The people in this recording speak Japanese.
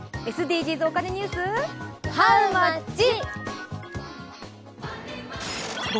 ＳＤＧｓお金ニュース、ハウマッチ？